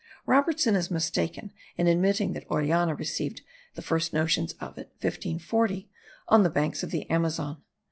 Robertson is mistaken in admitting that Orellana received the first notions of it (1540) on the banks of the Amazon.